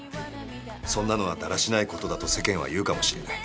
「そんなのはだらしないことだと世間は言うかもしれない」